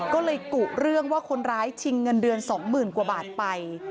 ก็เลยกุเรื่องว่าคนร้ายชิงเงินเดือน๒๐๐๐กว่าบาทไป